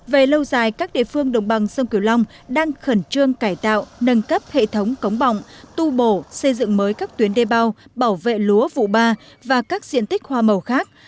về lâu dài các địa phương đồng bằng sông kiều long đang khẩn trương cải tạo nâng cấp hệ thống cống bỏng tu bổ xây dựng mới các tuyến đê bao bảo vệ lúa vụ ba và các diện tích hoa màu khác